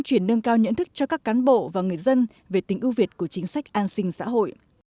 chuyển nâng cao nhận thức cho các cán bộ và người dân về tính ưu việt của chính sách an sinh xã hội